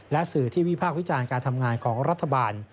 และสื่อที่วิพากษ์วิจารณ์การทำงานของรัฐบาล